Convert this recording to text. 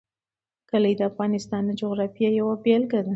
کلي د افغانستان د جغرافیې یوه بېلګه ده.